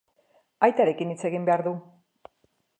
Aitarekin hitz egin behar du.